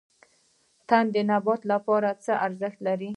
تنه د نبات لپاره څه ارزښت لري؟